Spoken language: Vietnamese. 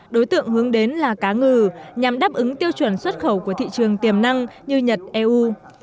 đối tượng hướng đến là cá ngừ nhằm đáp ứng tiêu chuẩn xuất khẩu của thị trường tiềm năng như nhật eu